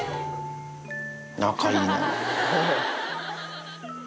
仲いいな。